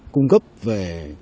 cung cấp về